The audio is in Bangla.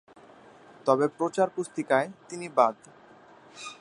তবে প্রচার পুস্তিকায় তিনি বাদ।